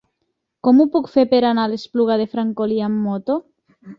Com ho puc fer per anar a l'Espluga de Francolí amb moto?